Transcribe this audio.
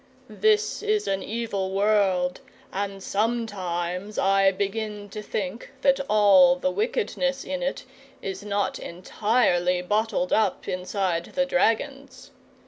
"This is an evil world, and sometimes I begin to think that all the wickedness in it is not entirely bottled up inside the dragons.